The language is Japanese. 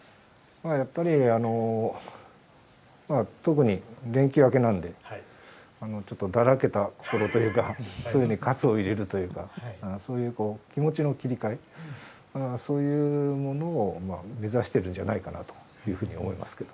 やっぱり特に連休明けなんで、ちょっとだらけた心というか、そういうのにかつを入れるというか、そういう気持ちの切り替え、そういうものを目指しているんじゃないかなというふうに思いますけれども。